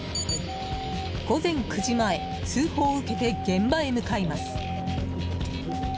午前９時前通報を受けて現場へ向かいます。